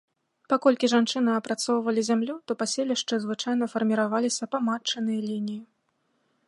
Паколькі жанчыны апрацоўвалі зямлю, то паселішчы звычайна фарміраваліся па матчынай лініі.